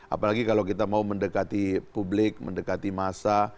apalagi kalau kita mau mendekati publik mendekati massa